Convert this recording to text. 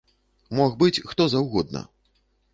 Мог быць хто заўгодна.